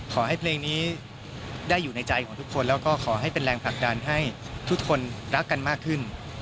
ขอให้เพลงนี้ได้อยู่ในใจของทุกคนแล้วก็ขอให้เป็นแรงผลักดันให้ทุกคนรักกันมากขึ้น